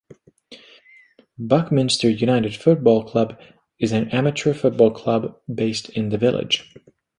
Buckminster United Football club is an amateur football club based in the village.